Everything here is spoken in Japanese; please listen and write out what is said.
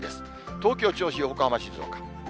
東京、銚子、横浜、静岡。